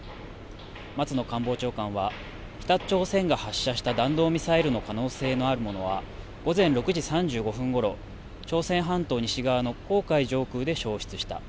松野官房長官は、北朝鮮が発射した弾道ミサイルの可能性のあるものは、午前６時３５分ごろ、朝鮮半島西側の黄海上空で消失した。